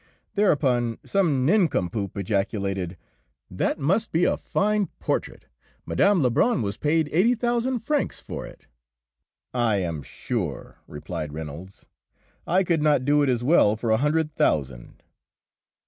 Thereupon some nincompoop ejaculated, "That must be a fine portrait; Mme. Lebrun was paid eighty thousand francs for it!" "I am sure," replied Reynolds, "I could not do it as well for a hundred thousand."